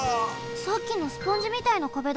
さっきのスポンジみたいな壁だ。